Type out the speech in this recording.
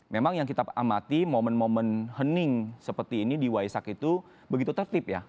memang yang kita amati momen momen hening seperti ini di waisak itu begitu tertib ya